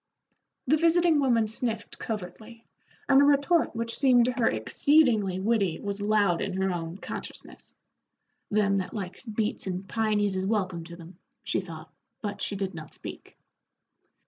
The visiting woman sniffed covertly, and a retort which seemed to her exceedingly witty was loud in her own consciousness. "Them that likes beets and pinies is welcome to them," she thought, but she did not speak.